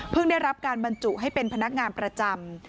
ได้รับการบรรจุให้เป็นพนักงานประจำ